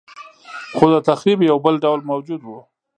خو د تخریب یو بل ډول موجود و